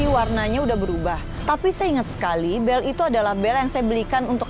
warnanya udah berubah tapi saya ingat sekali bel itu adalah bel yang saya belikan untuk